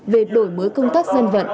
về đổi mới công tác dân vận